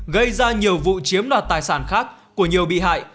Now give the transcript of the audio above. gây ra nhiều vụ chiếm đoạt tài sản khác của nhiều bị hại